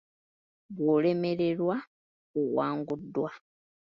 Bw'olemererwa, owanguddwa.